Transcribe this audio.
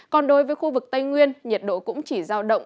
còn đối với khu vực tây nguyên nhiệt độ cũng chỉ giao động